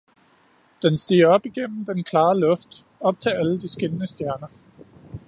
den stiger op igennem den klare luft, op til alle de skinnende stjerner!